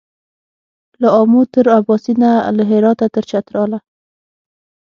له آمو تر اباسینه له هراته تر چتراله